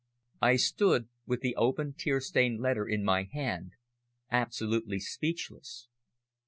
I stood with the open, tear stained letter in my hand absolutely speechless.